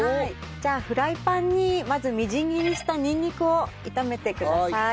じゃあフライパンにまずみじん切りしたにんにくを炒めてください。